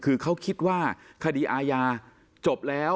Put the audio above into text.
คือเขาคิดว่าคดีอาญาจบแล้ว